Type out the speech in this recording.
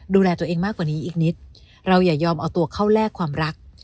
ดูแลตัวเองมากกว่านี้อีกนิดเราอย่ายอมเอาตัวเข้าแลกความรัก